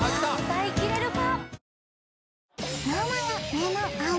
歌いきれるか？